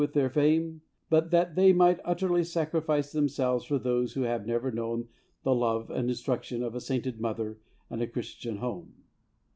with their fame, but that they might utterly sacrifice themselves for those who have never known the love and instruction of a sainted mother and a Christian home.